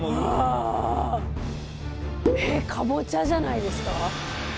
あ！えっかぼちゃじゃないですか？